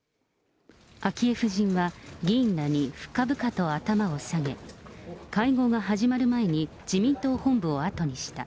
昭恵夫人は、議員らに深々と頭を下げ、会合が始まる前に、自民党本部を後にした。